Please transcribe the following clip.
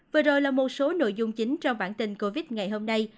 vừa rồi là một số nội dung chính trong bản tin covid ngày hôm nay